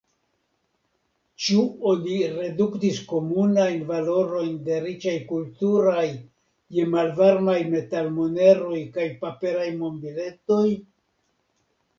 Ĉu oni reduktis komunajn valorojn de riĉaj kulturoj je malvarmaj metalmoneroj kaj paperaj monbiletoj?